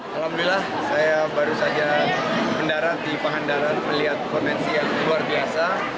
pembelajar kendaraan di pangandaran melihat potensi yang luar biasa